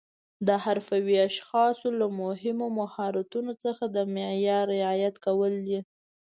د حرفوي اشخاصو له مهمو مهارتونو څخه د معیار رعایت کول دي.